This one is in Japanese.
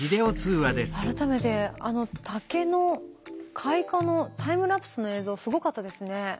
改めてあの竹の開花のタイムラプスの映像すごかったですね。